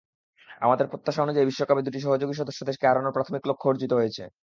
আমাদের প্রত্যাশা অনুযায়ী বিশ্বকাপে দুটি সহযোগী সদস্যদেশকে হারানোর প্রাথমিক লক্ষ্য অর্জিত হয়েছে।